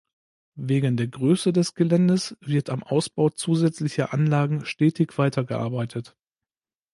Wegen der Größe des Geländes wird am Ausbau zusätzlicher Anlagen stetig weiter gearbeitet.